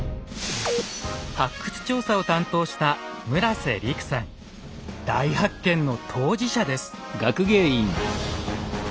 発掘調査を担当した大発見の当事者です。